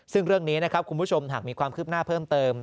ซึ่งเรื่องนี้นะครับคุณผู้ชมหากมีความคืบหน้าเพิ่มเติม